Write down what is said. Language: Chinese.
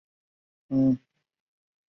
他出生在密苏里州的堪萨斯城。